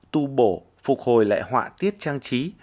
tu bổ phục hồi lại họa tiết trang trí